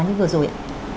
như vừa rồi ạ